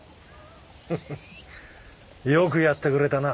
フフフよくやってくれたな。